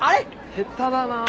下手だなぁ。